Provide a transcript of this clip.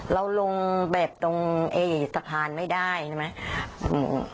เราลงแบบตรงสัมภาระไม่ได้ใช่ไหม